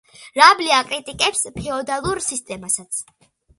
რაბლე აკრიტიკებს ფეოდალურ სისტემასაც.